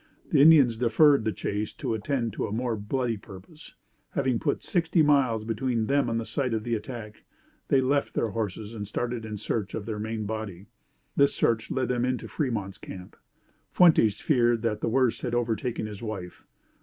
The Indians deferred the chase to attend to a more bloody purpose. Having put sixty miles between them and the site of the attack, they left their horses and started in search of their main body. This search led them into Fremont's camp. Fuentes feared that the worst had overtaken his wife.